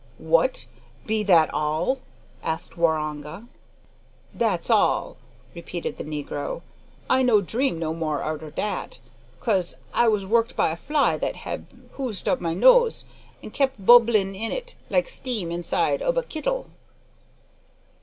"What! be that all?" asked Waroonga. "Dat's all," repeated the negro. "I no dream no more arter dat, 'cause I was woked by a fly what hab hoed up my nose, an' kep' bumblin' in it like steam inside ob a kittle."